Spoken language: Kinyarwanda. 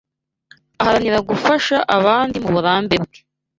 Aharanira gufasha abandi muburambe bwe